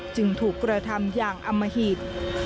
จึงถูกกระทำอย่างอมหิต